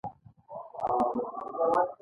څوک او څرنګه عملي کوي؟